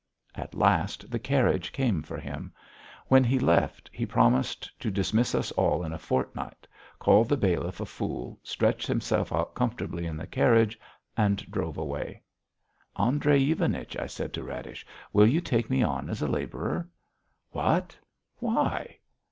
At last the carriage came for him. When he left he promised to dismiss us all in a fortnight; called the bailiff a fool, stretched himself out comfortably in the carriage, and drove away. "Andrey Ivanich," I said to Radish, "will you take me on as a labourer?" "What! Why?"